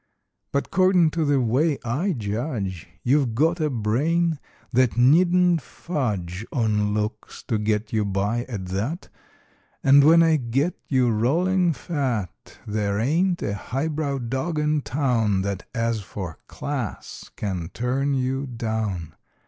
But 'cordin' to the way I judge You've got a brain that needn't fudge On looks to get you by, at that, And when I get you rollin' fat There ain't a high brow dog in town That as for "class" can turn you down!